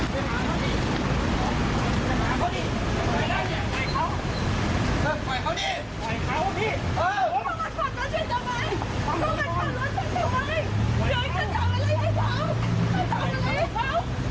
เกิดอะไรขึ้นไปดูคลิปเหตุการณ์กันก่อนค่ะ